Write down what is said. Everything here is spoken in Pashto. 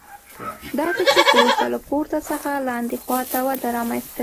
داسې چې پروسه له پورته څخه لاندې خوا ته وده رامنځته کړي.